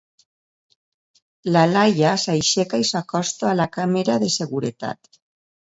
La Laia s'aixeca i s'acosta a la càmera de seguretat.